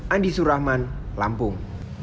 andi surahman lampung